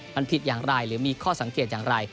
มันผิดอย่างไรหรือมีข้อสังเกตอย่างไร